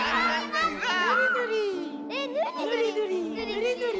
ぬりぬり。